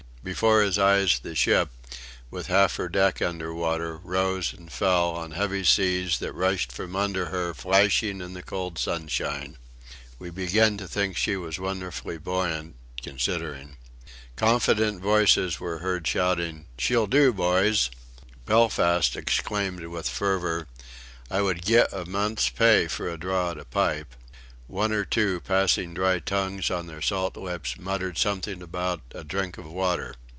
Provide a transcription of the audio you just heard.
Before his eyes the ship, with half her deck below water, rose and fell on heavy seas that rushed from under her flashing in the cold sunshine. We began to think she was wonderfully buoyant considering. Confident voices were heard shouting: "She'll do, boys!" Belfast exclaimed with fervour: "I would giv' a month's pay for a draw at a pipe!" One or two, passing dry tongues on their salt lips, muttered something about a "drink of water."